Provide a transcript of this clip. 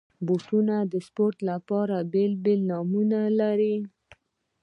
بوټونه د سپورټ لپاره بېلابېل نومونه لري.